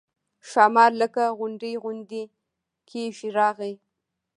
ښامار لکه غونډی غونډی کېږي راغی.